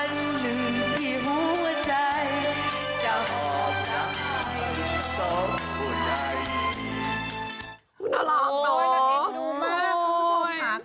นั่นเอ็ดดูมากคุณผู้ชมค่ะ